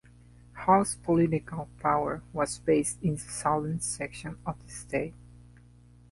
Haugh's political power was based in the southern section of the state.